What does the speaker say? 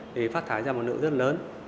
thì phát thải ra một lượng rất lớn